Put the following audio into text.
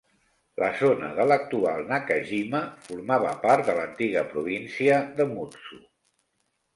La zona de l'actual Nakajima formava part de l'antiga província de Mutsu.